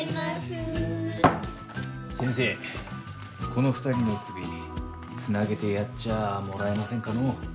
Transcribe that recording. この２人のクビ繋げてやっちゃあもらえませんかのう？